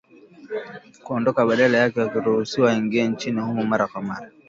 kuondoka badala yake wakiruhusiwa waingie nchini humo mara kwa mara